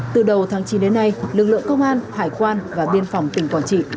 từ đầu tháng chín đến nay lực lượng công an hải quan và biên phòng tỉnh quảng trị